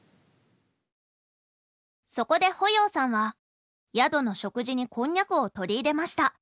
そこで保要さんは宿の食事にこんにゃくを取り入れました。